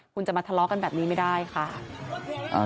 คุณจะมาทะเลาะกันแบบนี้ไม่ได้ค่ะ